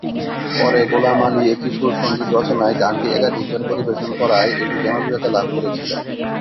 পরে গোলাম আলী একই সুর-সঙ্গীত রচনায় গানটি একাধিকবার পরিবেশন করায় এটি জনপ্রিয়তা লাভ করেছিল।